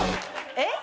えっ？